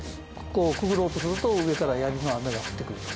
ここをくぐろうとすると上から槍の雨が降ってくると。